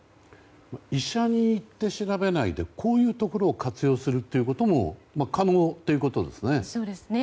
医者に行って調べないでこういうところを活用することも可能ということですね。